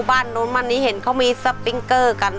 บ้านโน้นมันนี้เห็นเขามีปิ้งครับกำ